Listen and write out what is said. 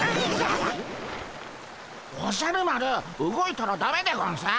おじゃる丸動いたらだめでゴンス。